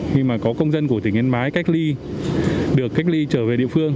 khi mà có công dân của tỉnh yên bái cách ly được cách ly trở về địa phương